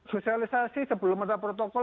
sosialisasi sebelum ada protokol